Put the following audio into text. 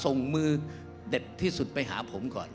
ส่งมือเด็ดที่สุดไปหาผมก่อน